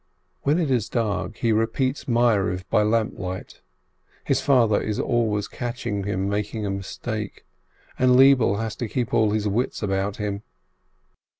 When it is dark, he repeats the Evening Prayer by lamplight; his father is always catching him making a mistake, and Lebele has to keep all his wits about him.